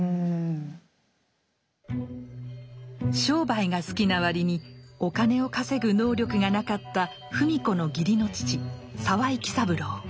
商売が好きな割にお金を稼ぐ能力がなかった芙美子の義理の父沢井喜三郎。